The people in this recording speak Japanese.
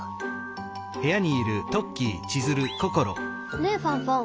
ねえファンファン。